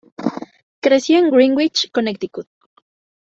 Creció en Greenwich, Connecticut.